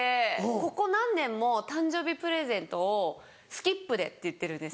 ここ何年も誕生日プレゼントをスキップでって言ってるんです。